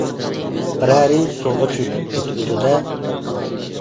بىرەرى سۇغا چۆكۈپ كېتىپتۇ-دە؟